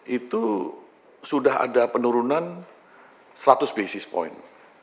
itu sudah ada penurunan seratus basis point